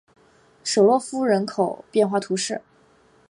舍诺夫人口变化图示